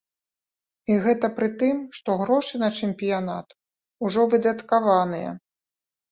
І гэта пры тым, што грошы на чэмпіянат ужо выдаткаваныя.